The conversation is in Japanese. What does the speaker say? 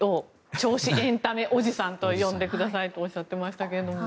銚子エンタメおじさんと呼んでくださいとおっしゃっていましたけどね。